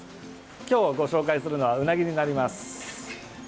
今日ご紹介するのはうなぎになります。